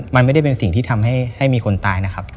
มันไม่เป็นสิ่งที่ทำให้มีคนตาย